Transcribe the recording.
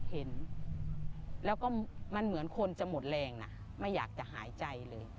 เห็นแล้วก็มันเหมือนคนจะหมดแรงนะไม่อยากจะหายใจเลย